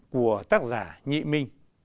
của tác giả nhị minh